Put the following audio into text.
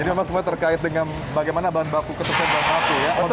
jadi memang semuanya terkait dengan bagaimana bahan baku kesehatan tersebut ya